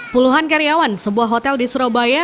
puluhan karyawan sebuah hotel di surabaya